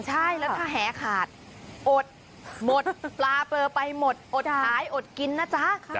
ใช่แล้วถ้าแหขาดอดหมดปลาเปลือไปหมดอดขายอดกินนะจ๊ะ